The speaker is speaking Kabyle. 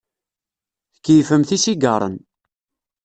Tkeyyfemt isigaṛen.